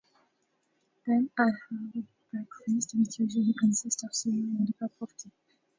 Then, I have breakfast which usually consists of cereal and a cup of tea.